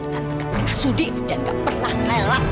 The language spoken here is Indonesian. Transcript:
tante gak pernah sudi dan gak pernah rela